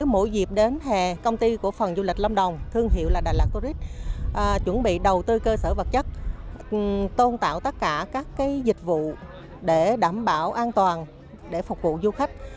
mỗi dịp đến hè công ty của phần du lịch lâm đồng thương hiệu là đà lạt tourist chuẩn bị đầu tư cơ sở vật chất tôn tạo tất cả các dịch vụ để đảm bảo an toàn để phục vụ du khách